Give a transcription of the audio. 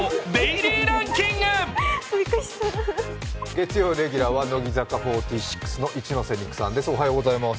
月曜レギュラーは乃木坂４６の一ノ瀬美空さんです。